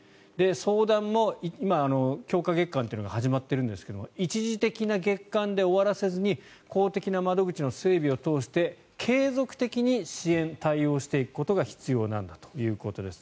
相談も今、強化月間というのが始まっているんですが一時的な月間で終わらせずに公的な窓口の整備を通して継続的に支援、対応していくことが必要なんだということです。